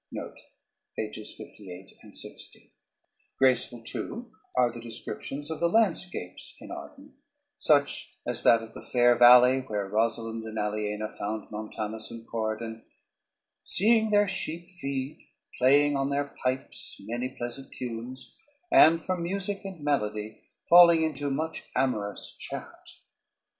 Graceful, too, are the descriptions of the landscapes in Arden, such as that of the "fair valley" where Rosalynde and Aliena found Montanus and Corydon "seeing their sheep feed, playing on their pipes many pleasant tunes, and from music and melody falling into much amorous chat."